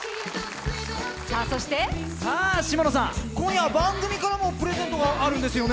さあ、下野さん、今夜は番組からもプレゼントがあるんですよね？